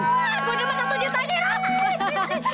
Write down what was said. wah gue dima satu juta ini loh